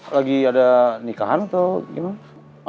lagi ada nikahan atau gimana